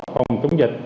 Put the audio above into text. phòng chống dịch